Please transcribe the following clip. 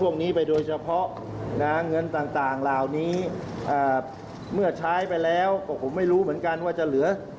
คราวนี้เมื่อใช้ไปแล้วก็ผมไม่รู้เหมือนกันว่าจะเหลือ